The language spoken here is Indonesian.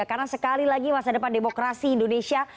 karena sekali lagi masa depan demokrasi indonesia